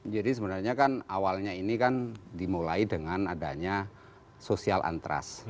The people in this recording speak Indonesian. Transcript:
jadi sebenarnya kan awalnya ini kan dimulai dengan adanya sosial antras